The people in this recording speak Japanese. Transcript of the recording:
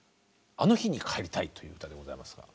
「あの日にかえりたい」という歌でございます。